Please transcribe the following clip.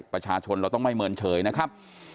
ประชาชนเราต้องไม่เมินเฉยนะครับ